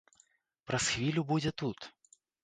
Праз хвілю будзе тут!